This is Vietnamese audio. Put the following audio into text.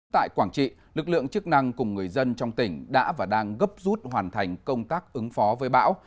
tại quảng trị lực lượng chức năng cùng người dân trong tỉnh đã và đang gấp rút hoàn thành công tác ứng phó với bão